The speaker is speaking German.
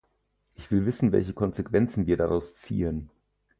Ich will wissen, welche Konsequenzen wir daraus ziehen.